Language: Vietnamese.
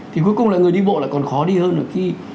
thì cuối cùng là người đi bộ lại còn khó đi hơn một khi